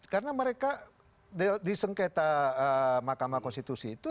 karena mereka disengketa makam konstitusi itu